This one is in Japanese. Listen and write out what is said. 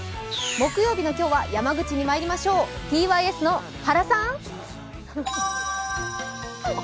木曜日の今日は山口にまいりましょう、ｔｙｓの原さん。